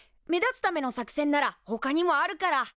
目立つための作戦ならほかにもあるから。